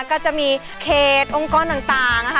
ก็จะมีเขตองค์กรต่างนะคะ